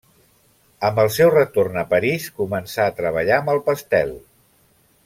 Amb el seu retorn a París, començà a treballar amb el pastel.